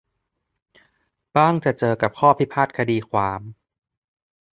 บ้างจะเจอกับข้อพิพาทคดีความ